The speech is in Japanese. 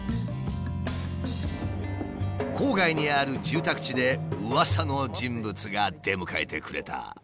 郊外にある住宅地でうわさの人物が出迎えてくれた。